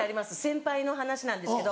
先輩の話なんですけど。